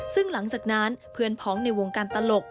ซึ่งหลังจากนั้นเพื่อนพ้องในวงการตลก